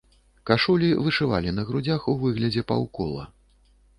Кашулі вышывалі на грудзях у выглядзе паўкола.